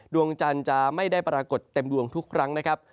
ดวงจันทร์จะไม่ได้ปรากฏเต็มดวงทุกครั้งนะครับ